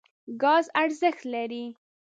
ګاز ارزښت لري.